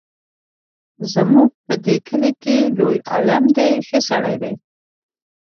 زموږ په دې کلي کې لوی عالم دی ښه سړی دی.